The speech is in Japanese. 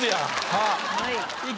はい。